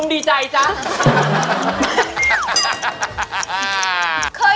พระเจ้าตากศิลป์